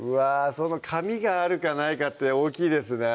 その紙があるかないかって大きいですね